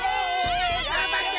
がんばって！